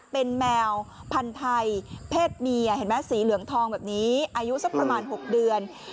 เป็นแมวพันธุ์ไทยเพศเมียเห็นไหมสีเหลืองทองแบบนี้อายุสักประมาณ๖เดือน